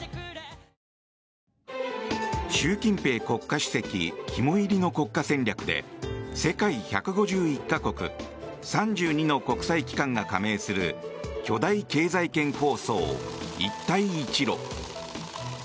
習近平国家主席肝煎りの国家戦略で世界１５１か国３２の国際機関が加盟する巨大経済圏構想、一帯一路。